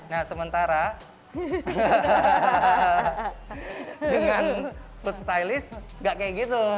nah sementara dengan food stylist gak kayak gitu